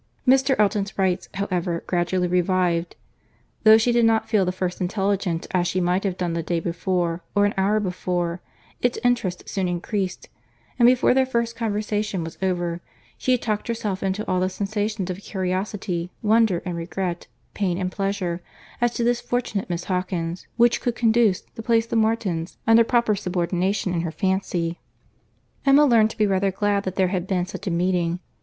Mr. Elton's rights, however, gradually revived. Though she did not feel the first intelligence as she might have done the day before, or an hour before, its interest soon increased; and before their first conversation was over, she had talked herself into all the sensations of curiosity, wonder and regret, pain and pleasure, as to this fortunate Miss Hawkins, which could conduce to place the Martins under proper subordination in her fancy. Emma learned to be rather glad that there had been such a meeting.